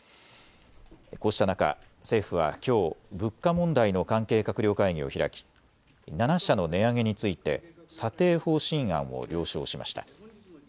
こうした中、政府はきょう物価問題の関係閣僚会議を開き７社の値上げについて査定方針案を了承しました。